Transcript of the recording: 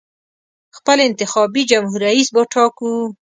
خپل انتخابي جمهور رییس به ټاکو.